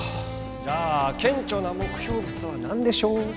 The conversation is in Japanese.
じゃあ顕著な目標物は何でしょう？